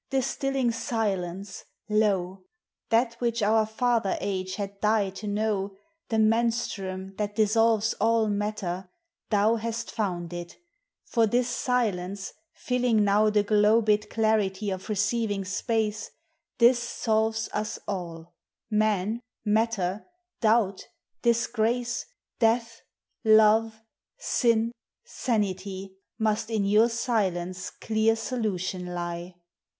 Distilling silence, lo! That which our father age had died to know, The menstruum thai dissolves all matter thou Hast found it; for this silence, Ailing m»\\ The globed clarity of receiving space, This solves us all: man, matter, doubt, disgrace, Death, love, sin, sanity. Must in your silence 1 clear solution lie.